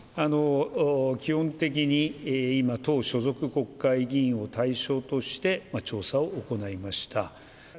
基本的に、今、党所属国会議員を対象として、調査を行いました。